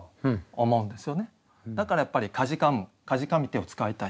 だからやっぱり「悴む」「悴みて」を使いたい。